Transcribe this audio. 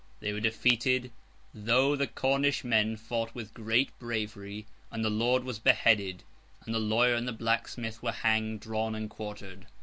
They were defeated—though the Cornish men fought with great bravery—and the lord was beheaded, and the lawyer and the blacksmith were hanged, drawn, and quartered.